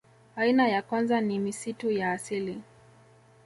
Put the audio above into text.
Aina ya kwanza ni misitu ya asili